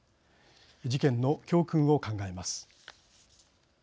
事件の教訓を考えます。